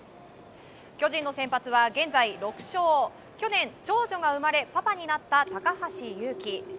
巨人の先発は現在６勝去年、長女が生まれパパになった高橋優貴。